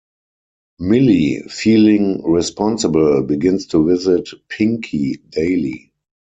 Millie, feeling responsible, begins to visit Pinky daily.